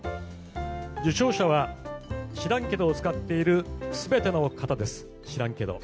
受賞者は知らんけどを使っている全ての方です。